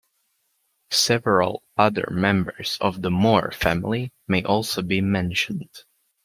Several other members of the Moore family may also be mentioned.